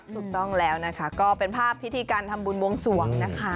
ถูกต้องแล้วนะคะก็เป็นภาพพิธีการทำบุญบวงสวงนะคะ